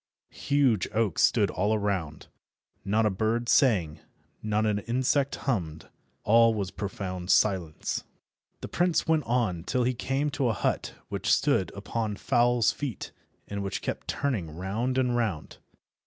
Huge oaks stood all around. Not a bird sang, not an insect hummed, all was profound silence. The prince went on till he came to a hut which stood upon fowl's feet, and which kept turning round and round.